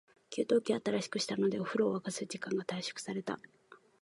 給湯器を新しくしたので、お風呂を沸かす時間が短縮された。